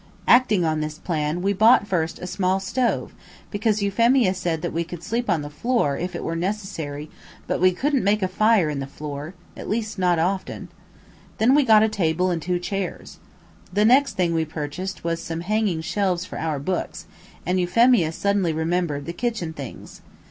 Acting on this plan, we bought first a small stove, because Euphemia said that we could sleep on the floor, if it were necessary, but we couldn't make a fire on the floor at least not often. Then we got a table and two chairs. The next thing we purchased was some hanging shelves for our books, and Euphemia suddenly remembered the kitchen things.